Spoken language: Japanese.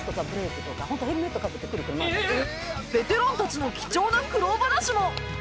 ベテランたちの貴重な苦労話も